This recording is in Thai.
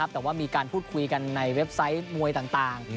แต่ว่ามีการพูดคุยกันในเว็บไซต์มวยต่าง